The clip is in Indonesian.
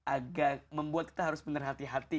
agak membuat kita harus benar hati hati